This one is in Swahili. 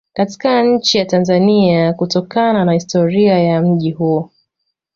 Katika nchi ya Tanzania kutokana na historia ya mji huo